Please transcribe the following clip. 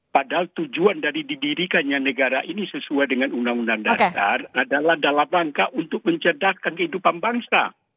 padahal tujuan dari didirikannya negara ini sesuai dengan undang undang dasar adalah dalam rangka untuk mencerdakkan kehidupan bangsa